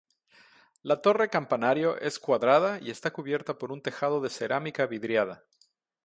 La torre campanario es cuadrada y está cubierta por un tejado de cerámica vidriada.